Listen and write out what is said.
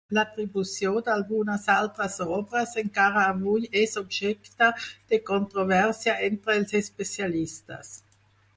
L'atribució d'algunes altres obres encara avui és objecte de controvèrsia entre els especialistes.